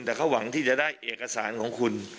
แต่เขาหวังที่จะได้เอกสารของคุณ